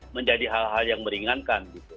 menjadi hal hal yang meringankan